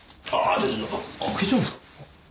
ちょっちょっちょっ開けちゃうんですか！？